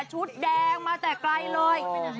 ชุดแดงมาแต่ไกลเลย